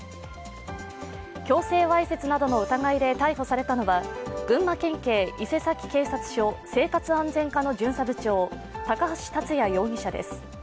強制わいせつなどの疑いで逮捕されたのは群馬県警伊勢崎警察署生活安全課の巡査部長、高橋達弥容疑者です。